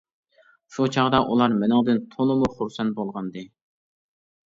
شۇ چاغدا ئۇلار مېنىڭدىن تولىمۇ خۇرسەن بولغانىدى.